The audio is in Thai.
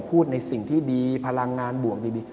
พูดในสิ่งที่ดีพลังงานบวกดี